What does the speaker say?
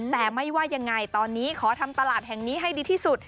แต่ไม่ว่ายังไงตอนนี้ขอทำตลาดแห่งนี้ให้ดีที่สุด